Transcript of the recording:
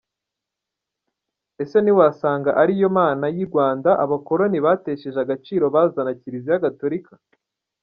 Ese ntiwasanga ariyo Mana y’ uRwanda abakoloni batesheje agaciro bazana Kiliziya Gatolika.